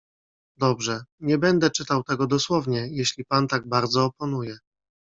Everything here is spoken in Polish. "Dobrze, nie będę czytał tego dosłownie, jeśli pan tak bardzo oponuje."